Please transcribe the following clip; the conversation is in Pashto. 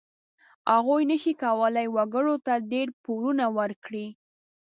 هغوی نشي کولای وګړو ته ډېر پورونه ورکړي.